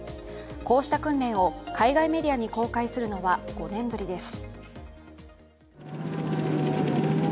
こうした訓練を海外メディアに公開するのは５年ぶりです。